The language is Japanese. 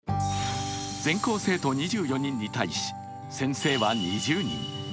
全校生徒２４人に対し先生は２０人。